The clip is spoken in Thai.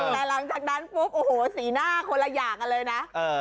แต่หลังจากนั้นปุ๊บโอ้โหสีหน้าคนละอย่างกันเลยนะ